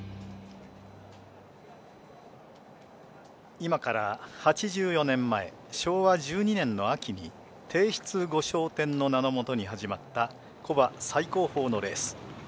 今から８４年前昭和１２年の秋に帝室御賞典の名のもとに始まった古馬最高峰のレース。